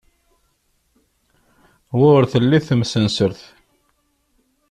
Wer telli temsensert.